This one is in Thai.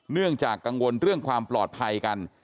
เนื่องจากกังวลเรื่องความปลอดภัยกัน